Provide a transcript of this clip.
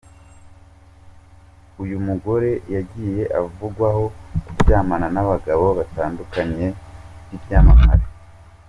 Uyu mugore yagiye avugwaho kuryamana n’abagabo batandukanye b’ibyamamare.